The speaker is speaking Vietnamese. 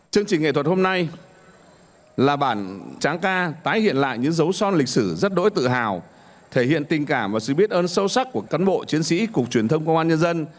chương trình nghệ thuật hôm nay là bản tráng ca tái hiện lại những dấu son lịch sử rất đỗi tự hào thể hiện tình cảm và sự biết ơn sâu sắc của cán bộ chiến sĩ cục truyền thông công an nhân dân